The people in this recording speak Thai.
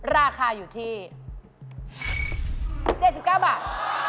ราคาอยู่ที่๗๙บาท